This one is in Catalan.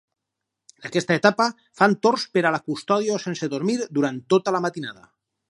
En aquesta etapa fan torns per a la custòdia sense dormir durant tota la matinada.